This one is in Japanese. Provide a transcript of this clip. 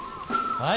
はい。